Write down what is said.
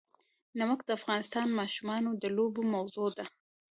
نمک د افغان ماشومانو د لوبو موضوع ده.